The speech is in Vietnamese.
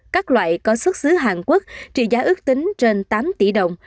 các loại có xuất xứ hàn quốc trị giá ước tính trên tám tỷ đồng